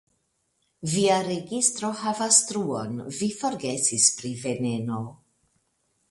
Via registro havas truon: vi forgesis pri veneno.